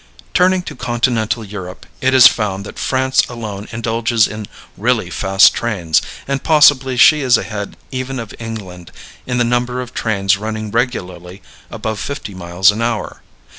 Turning to continental Europe it is found that France alone indulges in really fast trains, and possibly she is ahead even of England in the number of trains running regularly above fifty miles an hour.